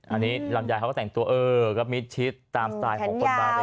อันนี้ลำไยเขาก็แต่งตัวเออก็มิดชิดตามสไตล์ของคนบาเร